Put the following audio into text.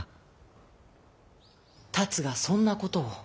龍がそんなことを。